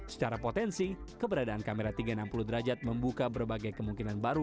secara potensi keberadaan kamera tiga ratus enam puluh derajat membuka berbagai kemungkinan baru